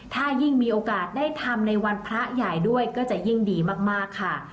ถ้ายิ่งมีโอกาสได้ทำในวันพระใหญ่ด้วยก็จะยิ่งดีมากค่ะ